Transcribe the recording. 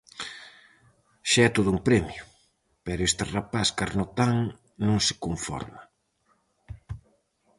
Xa é todo un premio, pero este rapaz carnotán non se conforma.